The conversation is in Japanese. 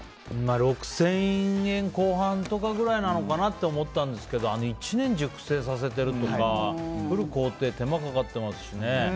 ６０００円後半とかくらいなのかなと思ったんですけど１年熟成させてるとか工程に手間がかかってますね。